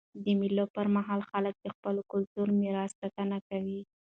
د مېلو پر مهال خلک د خپل کلتوري میراث ساتنه کوي.